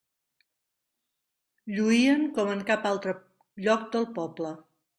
Lluïen com en cap altre lloc del poble.